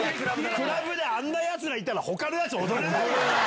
クラブであんなヤツらいたら他のヤツ踊れないよな。